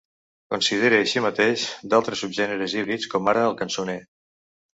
Considere així mateix d'altres subgèneres híbrids com ara el cançoner.